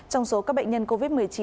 trong số các bệnh nhân covid một mươi chín